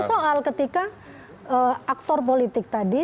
soal ketika aktor politik tadi